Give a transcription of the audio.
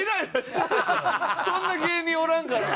そんな芸人おらんから。